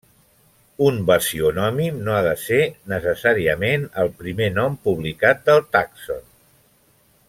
Un basiònim no ha de ser necessàriament el primer nom publicat del tàxon.